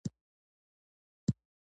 بزګر ته هره تخم یوه هیلې ده